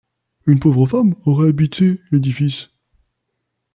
Une pauvre femme aurait habité l'édifice.